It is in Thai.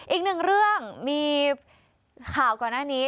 อีกหนึ่งเรื่องมีข่าวก่อนหน้านี้